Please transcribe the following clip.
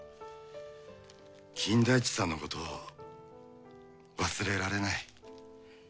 金田一さんのこと忘れられない。